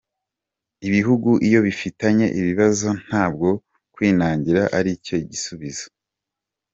Ibihugu iyo bifitanye ibibazo ntabwo kwinangira aricyo gisubizo.